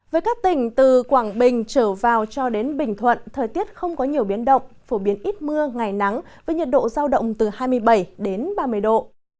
với các tỉnh từ quảng bình trở vào cho đến bình thuận thời tiết không có nhiều biến động phổ biến ít mưa ngày nắng với nhiệt độ giao động từ hai mươi bảy đến ba mươi độ